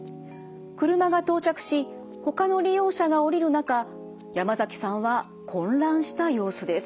車が到着しほかの利用者が降りる中山崎さんは混乱した様子です。